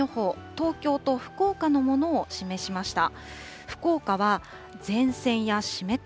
東京と福岡のものを示しました。